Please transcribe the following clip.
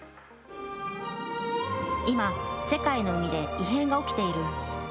今、世界の海で異変が起きている。